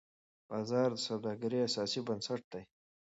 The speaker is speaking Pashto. بازار د سوداګرۍ اساسي بنسټ دی.